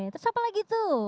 terus apalagi itu